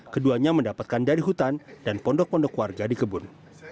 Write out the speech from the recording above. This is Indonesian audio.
keduanya mendapatkan dari hutan dan pondok pondok warga di kebun